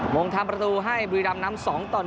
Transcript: มงทำประตูให้บุรีรัมย์นำ๒๑